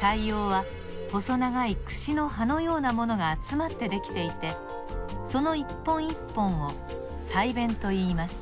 鰓葉は細長いくしの歯のようなものがあつまってできていてこの一本一本を鰓弁といいます。